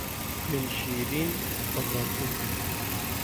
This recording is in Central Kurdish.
خوێن شیرن، ڕەزا سووکن